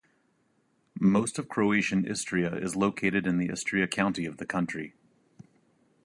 Most of Croatian Istria is located in the Istria County of the country.